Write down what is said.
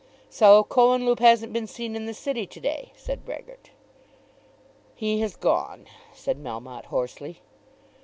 "So Cohenlupe hasn't been seen in the City to day," said Brehgert. "He has gone," said Melmotte hoarsely.